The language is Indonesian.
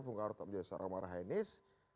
bung karno tetap menjadi seorang marahinis